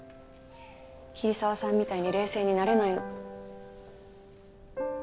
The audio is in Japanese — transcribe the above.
桐沢さんみたいに冷静になれないの。